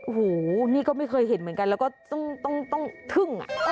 โอ้โหนี่ก็ไม่เคยเห็นเหมือนกันแล้วก็ต้องทึ่ง